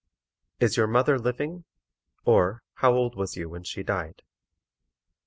_ IS YOUR MOTHER LIVING, OR HOW OLD WAS YOU WHEN SHE DIED?